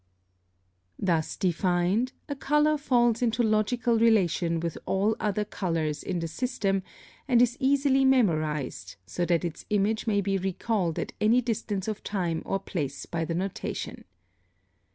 (36) Thus defined, a color falls into logical relation with all other colors in the system, and is easily memorized, so that its image may be recalled at any distance of time or place by the notation.